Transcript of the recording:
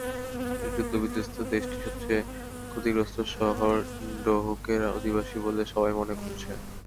যুদ্ধবিধ্বস্ত দেশটির সবচেয়ে ক্ষতিগ্রস্ত শহর ডোহুকের অধিবাসী বলেই সবাই মনে করছে।